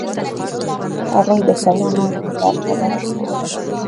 هغوی د کلونو انتظار خبره کوله.